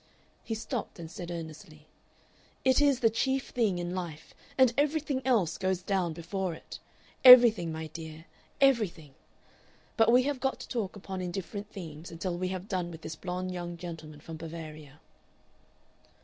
He stopped and said earnestly: "It is the chief thing in life, and everything else goes down before it. Everything, my dear, everything!... But we have got to talk upon indifferent themes until we have done with this blond young gentleman from Bavaria...."